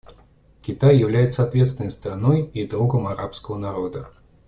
Китай является ответственной страной и другом арабского народа.